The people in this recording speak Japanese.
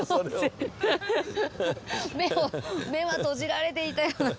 目は閉じられていたような。